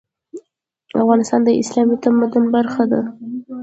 افغانستان د اسلامي تمدن برخه ده.